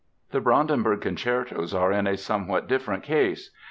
The Brandenburg Concertos are in a somewhat different case.